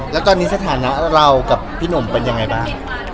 แล้วตอนนี้สถานะเรากับพี่หนุ่มเป็นยังไงบ้าง